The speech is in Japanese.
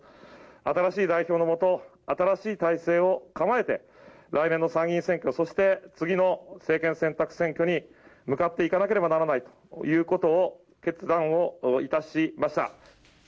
新しい代表の下、新しい体制を構えて、来年の参議院選挙、そして次の政権選択選挙に向かっていかなければならないということを決断をいたしました。